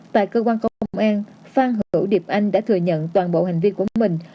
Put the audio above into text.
tại cơ quan công an phan hữu điệp anh đã thừa nhận toàn bộ hành vi của mình